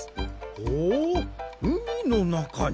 ほううみのなかに。